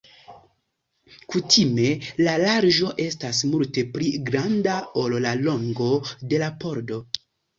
Kutime la larĝo estas multe pli granda ol la longo de la pordo.